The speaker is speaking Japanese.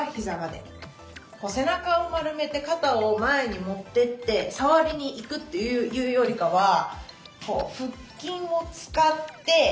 背中を丸めて肩を前に持ってって触りにいくというよりかは腹筋を使っておなかの力で起こす。